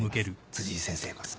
辻井先生こそ。